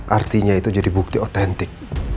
artinya itu jadi bukti otentik